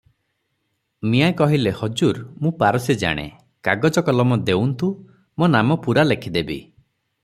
ମିଆଁ କହିଲେ, "ହଜୁର, ମୁଁ ପାରସି ଜାଣେ; କାଗଜ କଲମ ଦେଉନ୍ତୁ, ମୋ ନାମ ପୂରା ଲେଖିଦେବି ।